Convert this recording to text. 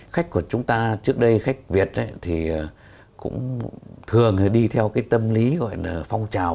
khách của chúng ta trước đây khách việt thì cũng thường đi theo cái tâm lý gọi là phong trào